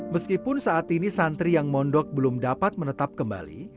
meskipun saat ini santri yang mondok belum dapat menetap kembali